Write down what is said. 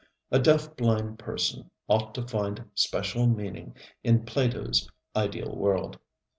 A deaf blind person ought to find special meaning in PlatoŌĆÖs Ideal World.